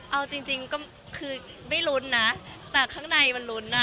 เอาจริงคือไม่รุนนะแต่ข้างในมันรุนนะ